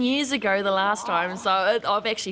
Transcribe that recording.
hingga konser musik opera